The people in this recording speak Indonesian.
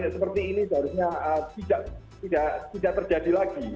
seperti ini seharusnya tidak tidak tidak terjadi lagi